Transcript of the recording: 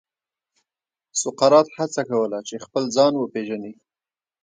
سقراط هڅه کوله چې خپل ځان وپېژني.